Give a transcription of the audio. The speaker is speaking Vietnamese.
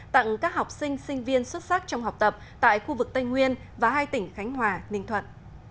tặng các học sinh sinh viên xuất sắc trong học tập tại khu vực tây nguyên và hai tỉnh khánh hòa ninh thuận